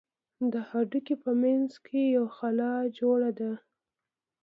د هډوکي په منځ کښې يوه خلا جوړه ده.